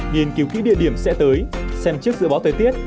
nghiên cứu kỹ địa điểm sẽ tới xem chiếc dự báo thời tiết